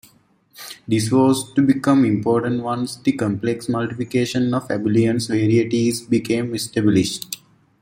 This was to become important once the complex multiplication of abelian varieties became established.